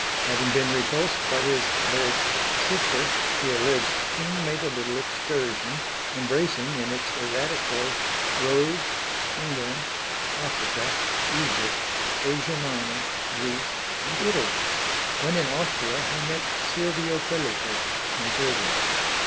Having been repulsed by his (alleged) sister, the alleged king made a little excursion, embracing in its erratic course Rhodes, England, Africa, Egypt, Asia Minor, Greece, and Italy. When in Austria he met Silvio Pellico in prison.